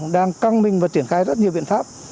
đang căng mình và triển khai rất nhiều biện pháp